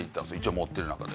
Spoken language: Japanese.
持ってる中で。